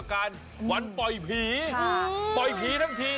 ใครไปคุณชนะมาวันนี้